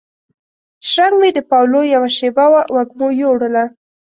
شرنګ مې د پاولو یوه شیبه وه وږمو یووړله